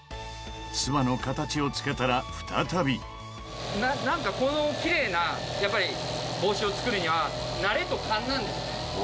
ツバの形をつけたら再び何かこのキレイなやっぱり帽子を作るには慣れと勘なんですよね。